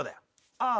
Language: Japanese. ああ。